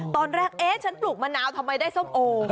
ตอนแรกเอ๊ะฉันปลูกมะนาวทำไมได้ส้มโอ